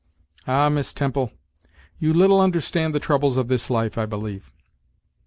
"Ah! Miss Temple, you little understand the troubles of this life, I believe.